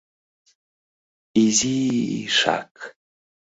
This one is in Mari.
— Изи-ишак...